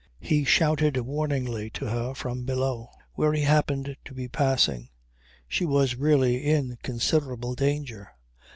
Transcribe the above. He shouted warningly to her from below where he happened to be passing. She was really in considerable danger.